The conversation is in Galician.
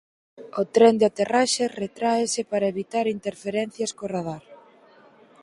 O tren de aterraxe retráese para evitar interferencias co radar.